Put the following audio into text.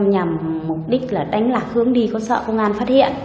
nhằm mục đích là đánh lạc hướng đi có sợ công an phát hiện